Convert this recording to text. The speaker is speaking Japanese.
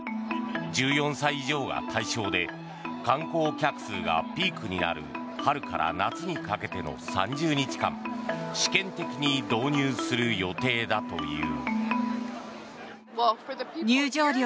１４歳以上が対象で観光客数がピークになる春から夏にかけての３０日間試験的に導入する予定だという。